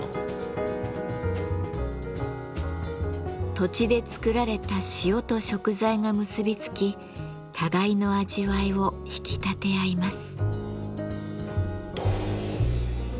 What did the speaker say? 土地で作られた塩と食材が結び付き互いの味わいを引き立て合います。